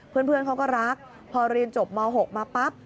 เพื่อนเขาก็รักพอเรียนจบม๖มาปั๊บ